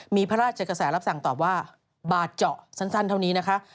มีพระราชกระแสรับสั่งตอบว่าบาดเจาะสั้นเท่านี้นะคะ